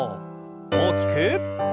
大きく。